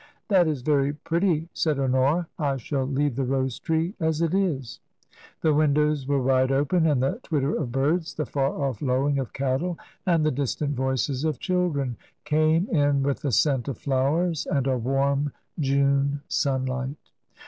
"That is very pretty," said Honora; "I shall leave the rose tree as it is." The windows were wide open, and the twitter of birds, the far off lowing of cattle, and the distant voices of chil dren came in with the scent of flowers and a warm June sunlight.